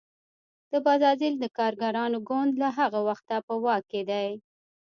د بزازیل د کارګرانو ګوند له هغه وخته په واک کې دی.